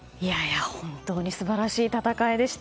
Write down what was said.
本当に素晴らしい戦いでした。